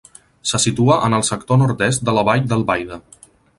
Se situa en el sector nord-est de la Vall d'Albaida.